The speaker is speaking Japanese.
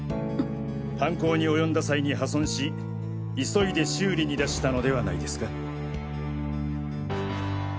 犯行に及んだ際に破損し急いで修理に出したのではないですか？